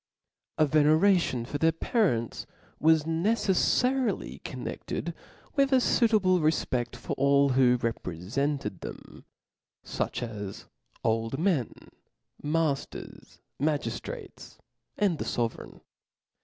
A veneration for their parents was neceflarily connedled with a fuitable refpc^ for all who repre* fenced them, fuch as old men, mailers, magiftrates, and the fovereign.